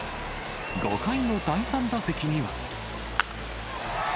５回の第３打席には。